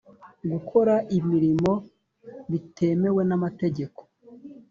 gukora imirimo bitemewe n’amategeko